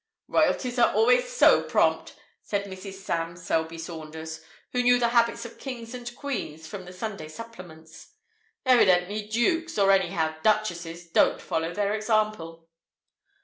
"Royalties are always so prompt," said Mrs. Sam Selby Saunders, who knew the habits of kings and queens from the Sunday Supplements. "Evidently dukes or anyhow duchesses don't follow their example."